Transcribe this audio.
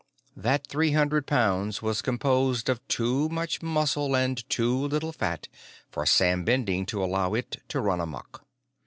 That three hundred pounds was composed of too much muscle and too little fat for Sam Bending to allow it to run amok.